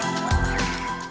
gunung purba ngelanggerak